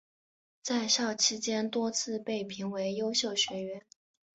在校期间多次被评为优秀学员。